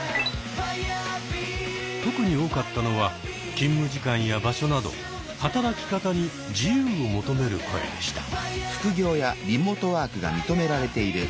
特に多かったのは勤務時間や場所など働き方に自由を求める声でした。